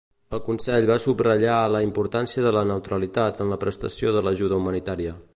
El Consell va subratllar la importància de la neutralitat en la prestació de l'ajuda humanitària.